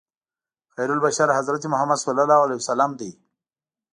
خیرالبشر حضرت محمد صلی الله علیه وسلم دی.